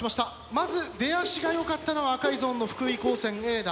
まず出足がよかったのは赤いゾーンの福井高専Ａだ。